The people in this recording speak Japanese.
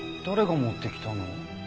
誰が持ってきたの？